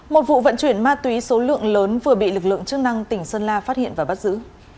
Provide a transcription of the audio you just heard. một vụ vận chuyển ma túy số lượng lớn vừa bị lực lượng chức năng tỉnh sơn la phát hiện và bắt giữ